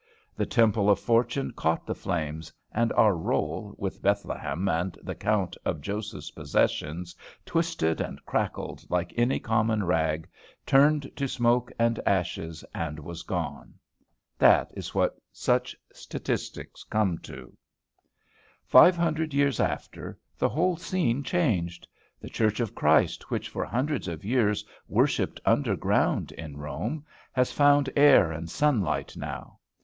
The Temple of Fortune caught the flames, and our roll, with Bethlehem and the count of Joseph's possessions twisted and crackled like any common rag, turned to smoke and ashes, and was gone. That is what such statistics come to! Five hundred years after, the whole scene is changed. The Church of Christ, which for hundreds of years worshipped under ground in Rome, has found air and sunlight now.